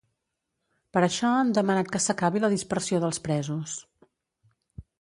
Per això han demanat que s’acabi la dispersió dels presos.